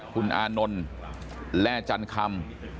คุณอานนท์และจันทรรภ์คำ